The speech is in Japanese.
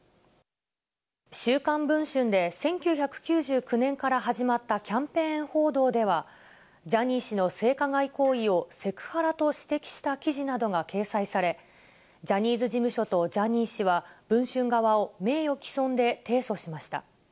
週刊文春で１９９９年から始まったキャンペーン報道では、ジャニー氏の性加害行為をセクハラと指摘した記事などが掲載され、ジャニーズ事務所とジャニー氏は、文春側を名誉毀損で提訴しました。